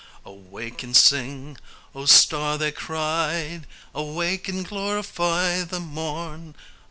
"Awake and sing, O star!" they cried. "Awake and glorify the morn!